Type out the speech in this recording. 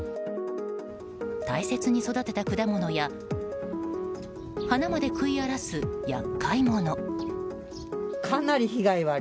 大切に育てた果物や花まで食い荒らす厄介者。